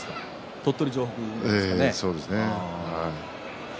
鳥取城北高校ですよね。